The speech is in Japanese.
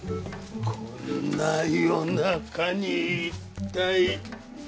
こんな夜中に一体。